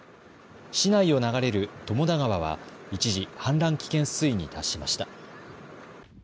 市内を流れる友田川は一時、氾濫危険水位に達しました。